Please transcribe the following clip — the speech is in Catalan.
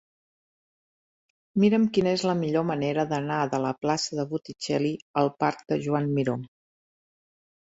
Mira'm quina és la millor manera d'anar de la plaça de Botticelli al parc de Joan Miró.